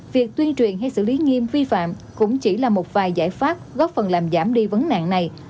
việc tuyên truyền hay xử lý nghiêm vi phạm cũng chỉ là một vài giải pháp góp phần làm giảm đi vấn nạn này